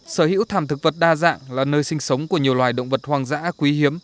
sở hữu thảm thực vật đa dạng là nơi sinh sống của nhiều loài động vật hoang dã quý hiếm